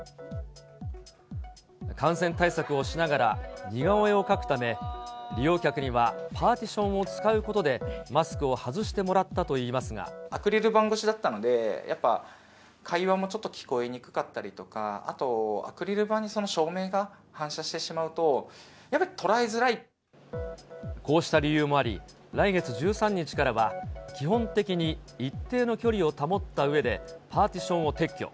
感染対策をしながら似顔絵を描くため、利用客にはパーティションを使うことでマスクを外してもらったとアクリル板越しだったので、やっぱ、会話もちょっと聞こえにくかったりとか、あと、アクリル板に照明が反射してしまうと、こうした理由もあり、来月１３日からは、基本的に一定の距離を保ったうえでパーティションを撤去。